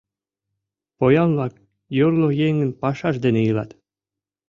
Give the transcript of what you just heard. Поян-влак йорло еҥын пашаж дене илат.